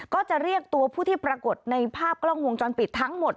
ก็จะเรียกตัวผู้ที่ปรากฏในภาพกล้องวงจรปิดทั้งหมด